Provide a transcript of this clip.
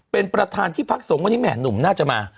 เป็นประธานที่พักสงฆ์วันนี้แหม่หนุ่มน่าจะมา